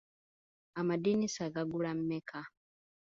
Amadirisa gagula mmeka?